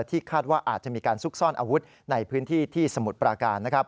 คาดว่าอาจจะมีการซุกซ่อนอาวุธในพื้นที่ที่สมุทรปราการ